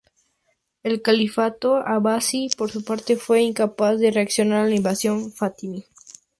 El Califato abasí, por su parte, fue incapaz de reaccionar a la invasión fatimí.